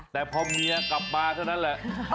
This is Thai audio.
แต่พอเมียกลับมาเท่านั้นแหละ